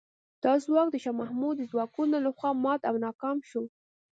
دا ځواک د شاه محمود د ځواکونو له خوا مات او ناکام شو.